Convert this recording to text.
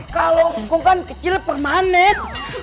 kalau pukul kan kecil permanen